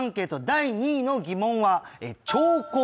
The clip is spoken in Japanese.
第２位の疑問は兆候